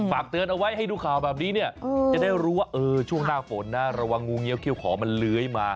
ฝากเตือนเอาไว้ให้ดูข่าวแบบนี้เนี่ยจะได้รู้ว่าช่วงหน้าฝนนะระวังงูเงี้ยเขี้ยขอมันเลื้อยมา